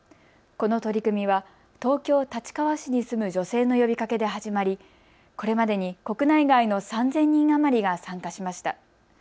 この取り組みは東京立川市に住む女性の呼びかけで始まりこれまでに国内外の３０００人余りが参加しました。